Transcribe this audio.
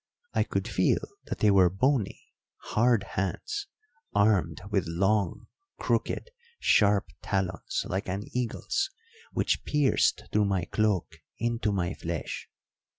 I could feel that they were bony, hard hands, armed with long, crooked, sharp talons like an eagle's, which pierced through my cloak into my flesh.